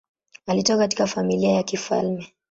Alitoka katika familia ya kifalme.